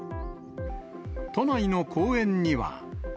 都内の公園には。